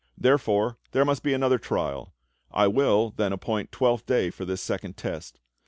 Therefore there must be another trial. I will, then appoint Twelfth Day for this second test.